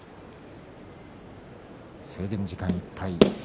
制限時間いっぱい。